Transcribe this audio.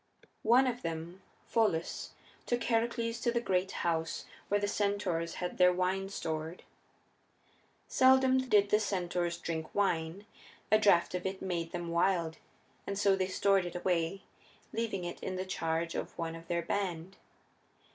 One of them, Pholus, took Heracles to the great house where the centaurs had their wine stored. Seldom did the centaurs drink wine; a draft of it made them wild, and so they stored it away, leaving it in the charge of one of their band.